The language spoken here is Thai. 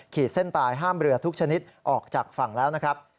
เส้นตายห้ามเรือทุกชนิดออกจากฝั่งแล้วนะครับ